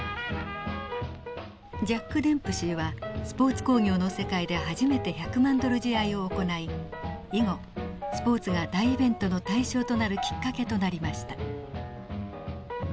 ジャック・デンプシーはスポーツ興業の世界で初めて１００万ドル試合を行い以後スポーツが大イベントの対象となるきっかけとなりました。